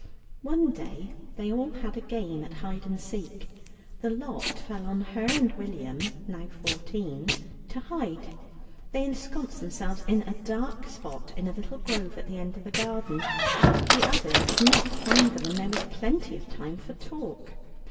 One day they all had a game at Hide and Seek. The lot fell on her and William, now fourteen, to hide. They ensconced themselves in a dark spot in a little grove at the end of the garden. The others could not find them, and there was plenty of time for talk.